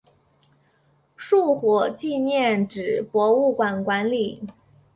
树火纪念纸博物馆管理。